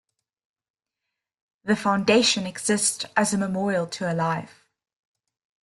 The foundation exists as a memorial to her life.